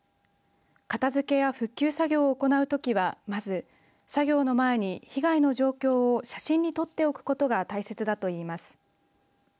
片づけや復旧作業を行うときは、まず作業の前に被害の状況を写真に撮っておくことが大切だといいます。